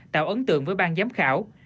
tạo ấn tượng với ban giám khảo